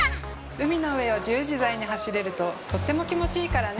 海の上を自由自在に走れるととっても気持ちいいからね。